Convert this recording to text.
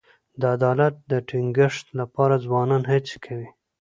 د عدالت د ټینګښت لپاره ځوانان هڅې کوي.